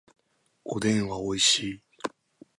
おでんはおいしい